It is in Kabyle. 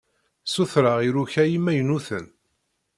Ssutreɣ iruka imaynuten.